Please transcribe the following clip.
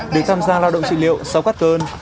được tham gia lao động trị liệu sau cắt cơn